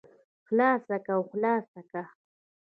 خلاصه که او خلاصه که.